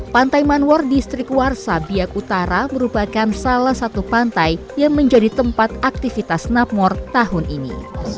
pantai manwor distrik warsa biak utara merupakan salah satu pantai yang menjadi tempat aktivitas snapmore tahun ini